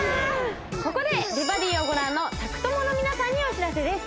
ここで「美バディ」をご覧の宅トモの皆さんにお知らせです